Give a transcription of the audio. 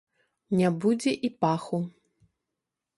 Не будзе і паху.